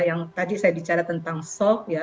yang tadi saya bicara tentang soft ya